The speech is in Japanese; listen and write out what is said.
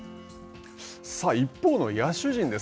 さあ、一方の野手陣です。